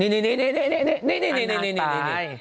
นี่อันน้ำตาย